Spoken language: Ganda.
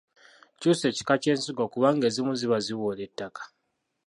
Kyusa ekika ky’ensigo kubanga ezimu ziba ziboola ettaka.